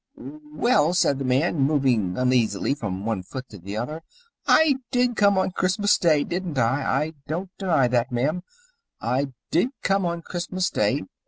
"Well," said the man, moving uneasily from one foot to the other, "I did come on Christmas Day, didn't I? I don't deny that, ma'am. I did come on Christmas Day.